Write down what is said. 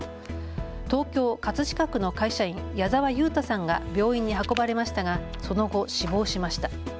東京葛飾区の会社員、谷澤勇太さんが病院に運ばれましたがその後、死亡しました。